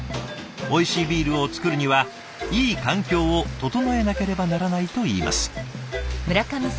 おいしいビールを造るにはいい環境を整えなければならないといいます。